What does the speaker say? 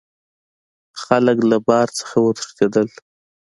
خلک له بار نه وتښتیدل.